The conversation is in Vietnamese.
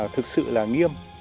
thực sự là nghiêm